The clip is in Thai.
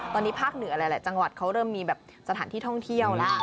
ตอนนี้ภาคเหนืออะไรแหละจังหวัดเขาเริ่มมีสถานที่ท่องเที่ยวล่ะ